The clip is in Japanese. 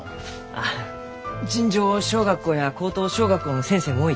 ああ尋常小学校や高等小学校の先生も多いきね。